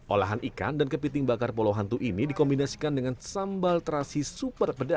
olahan ikan dan kepiting bakar pulau hantu ini dikombinasikan dengan sambal terasi super pedas